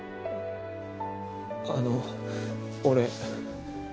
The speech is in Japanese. あの俺。